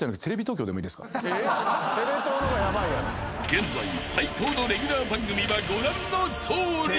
［現在斉藤のレギュラー番組はご覧のとおり］